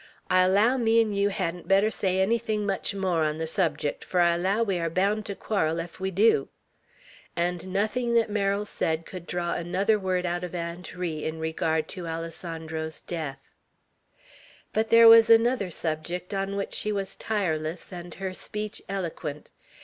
I allow me 'n' yeow hedn't better say anythin' much more on ther subjeck, fur I allow we air bound to querril ef we dew;" and nothing that Merrill said could draw another word out of Aunt Ri in regard to Alessandro's death. But there was another subject on which she was tireless, and her speech eloquent.